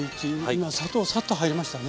今砂糖サッと入りましたね。